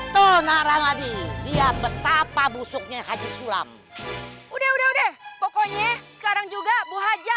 tona ramadi dia betapa busuknya haji sulam udah udah pokoknya sekarang juga bu haja